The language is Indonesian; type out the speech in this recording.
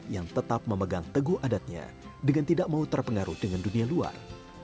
yang tetap memegang teguh adatnya dengan tidak mau terpengaruh dengan dunia luar